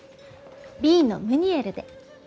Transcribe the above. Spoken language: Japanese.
Ｂのムニエルで。